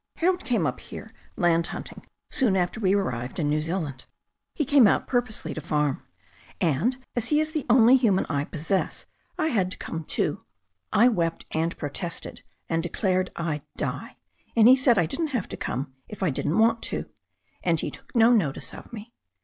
"Harold came up here land hunting soon after we arrived in New Zealand. He came out purposely to farm. And as he is the only human I possess I had to come too. I wept and protested, and declared I*d die. And he said I didn't have to come if I didn't want to. And he took no notice of me.